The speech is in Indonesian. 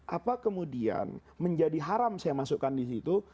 apa kemudian menjadi haram saya masukkan di situ